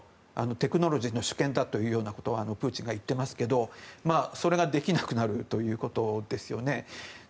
テクノロジーの主権だということをプーチンが言っていますけどそれができなくなるということですよね。